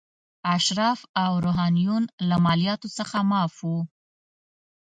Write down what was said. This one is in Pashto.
اشراف او روحانیون له مالیاتو څخه معاف وو.